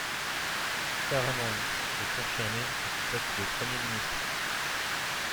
Karamanlis est confirmé à son poste de Premier ministre.